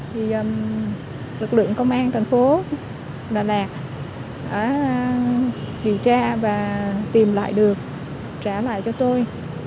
thì lực lượng công an thành phố đà lạt đã điều tra và tìm lại được trả lại cho tôi